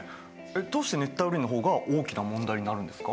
どうして熱帯雨林のほうが大きな問題になるんですか？